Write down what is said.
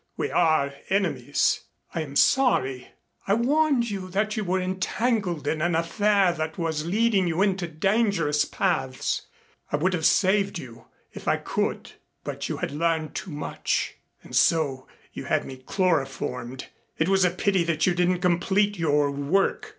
We are enemies. I am sorry. I warned you that you were entangled in an affair that was leading you into dangerous paths. I would have saved you, if I could, but you had learned too much." "And so you had me chloroformed. It was a pity that you didn't complete your work."